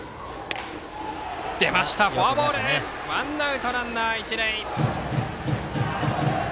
フォアボールワンアウトランナー、一塁。